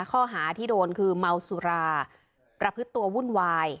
ข้อหาที่โดนคือเมาสุราประพฤติตัววุ่นวาย